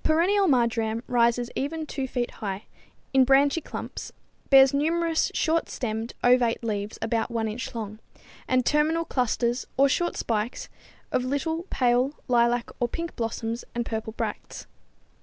_ Perennial marjoram rises even 2 feet high, in branchy clumps, bears numerous short stemmed, ovate leaves about 1 inch long, and terminal clusters or short spikes of little, pale lilac or pink blossoms and purple bracts.